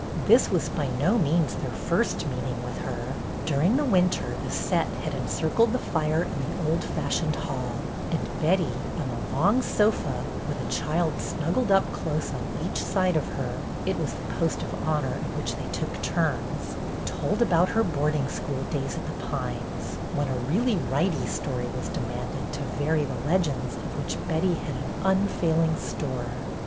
This was by no means their first meeting with her. During the winter "the set" had encircled the fire in the old fashioned hall, and Betty, on the long sofa, with a child snuggled up close on each side of her, — it was the post of honor, at which they took turns, — told about her boarding school days at " The Pines," when a " really righty story" was demanded to vary the legends of which Betty A CITY HISTORY CLUB 173 had an unfailing store.